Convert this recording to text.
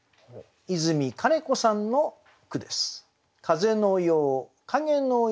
和泉金子さんの句です。